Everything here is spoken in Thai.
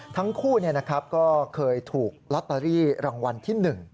ทั้งคู่ก็เคยถูกลอตเตอรี่รางวัลที่๑